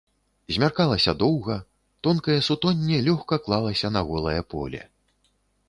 Змяркалася доўга, тонкае сутонне лёгка клалася на голае поле.